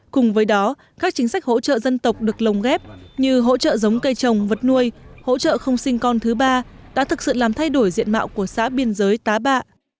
cùng với đó các chính sách hỗ trợ dân tộc được lồng ghép như hỗ trợ giống cây trồng vật nuôi hỗ trợ không sinh con thứ ba đã thực sự làm thay đổi diện mạo của xã biên giới tá bạ